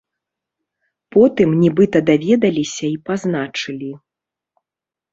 Потым нібыта даведаліся і пазначылі.